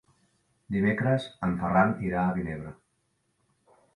Dimecres en Ferran irà a Vinebre.